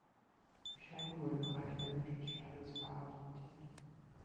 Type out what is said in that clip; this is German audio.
Die Scheibe wurde im Bereich der Windschutzscheibe des Fahrrads montiert.